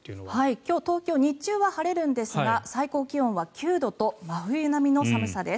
今日、東京は日中は晴れるんですが最高気温は９度と真冬並みの寒さです。